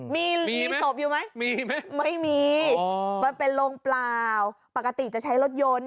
มีมีศพอยู่ไหมมีไหมไม่มีมันเป็นโรงเปล่าปกติจะใช้รถยนต์